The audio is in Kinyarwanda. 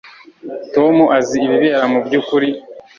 Tom azi ibibera mubyukuri